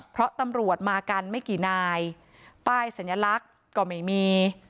เพราะตำรวจมากันไม่กี่นายป้ายสัญลักษณ์ก็ไม่มี